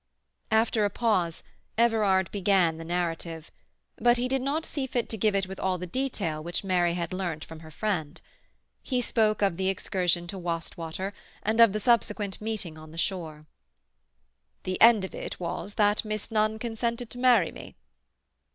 After a pause, Everard began the narrative. But he did not see fit to give it with all the detail which Mary had learnt from her friend. He spoke of the excursion to Wastwater, and of the subsequent meeting on the shore. "The end of it was that Miss Nunn consented to marry me."